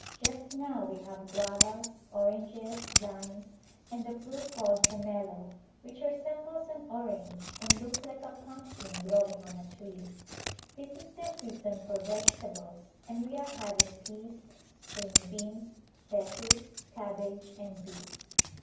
Just now we ha\e guavas, oranges, limes and a fruit called pumelo, which resembles an orange and looks like a pumpkin growing on a tree. This is the season for vegetables and we are having peas, string beans, lettuce, cabbage and beets.